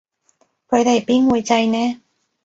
佢哋邊會䎺呢